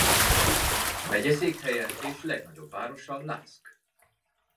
Megyeszékhelye és legnagyobb városa Lusk.